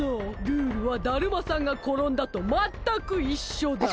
ルールはだるまさんがころんだとまったくいっしょだ。